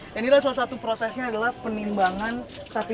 ini adalah salah satu prosesnya adalah penimbangan sapi